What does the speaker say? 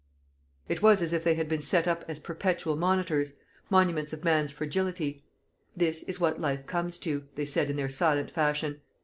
It was as if they had been set up as perpetual monitors monuments of man's fragility. "This is what life comes to," they said in their silent fashion.